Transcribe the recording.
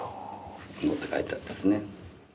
「能」って書いてあるんですね。